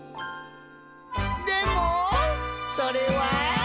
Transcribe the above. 「でも、それは」